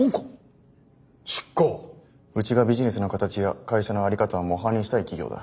うちがビジネスの形や会社の在り方を模範にしたい企業だ。